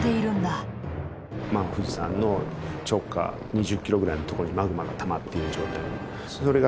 富士山の直下２０キロぐらいの所にマグマがたまっている状態なんです。